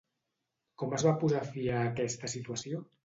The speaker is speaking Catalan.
Com es va posar fi a aquesta situació?